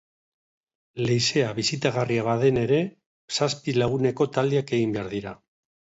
Leizea bisitagarria baden ere, zazpi laguneko taldeak egin behar dira.